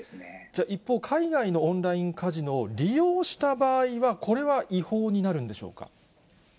じゃあ、一方、海外のオンラインカジノを利用した場合は、これは違法になるんでしょうか。